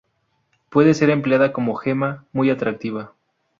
Puede ser empleada como gema, muy atractiva.